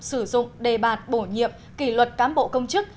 sử dụng đề bạt bổ nhiệm kỷ luật cán bộ công chức